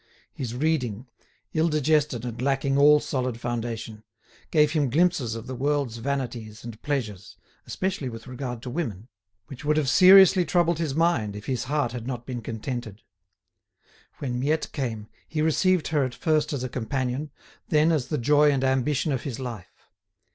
His reading—ill digested and lacking all solid foundation—gave him glimpses of the world's vanities and pleasures, especially with regard to women, which would have seriously troubled his mind if his heart had not been contented. When Miette came, he received her at first as a companion, then as the joy and ambition of his life.